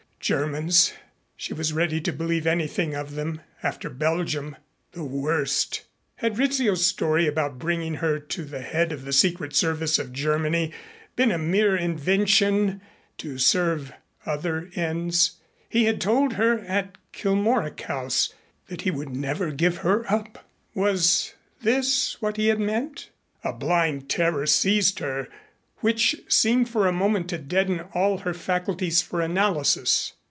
Germans! She was ready to believe anything of them after Belgium the worst! Had Rizzio's story about bringing her to the head of the Secret Service of Germany been a mere invention to serve other ends? He had told her at Kilmorack House that he would never give her up. Was this what he had meant? A blind terror seized her which seemed for the moment to deaden all her faculties for analysis.